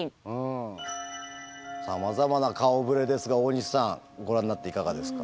さまざまな顔ぶれですが大西さんご覧になっていかがですか？